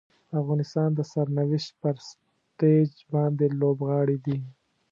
د افغانستان د سرنوشت پر سټیج باندې لوبغاړي دي.